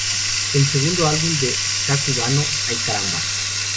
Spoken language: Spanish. El segundo álbum de Ska Cubano "¡Ay Caramba!